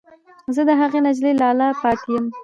زه د هغې نجلۍ لالی پاتې یم